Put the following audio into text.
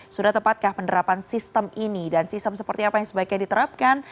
sudah tepatkah penerapan sistem ini dan sistem seperti apa yang sebaiknya diterapkan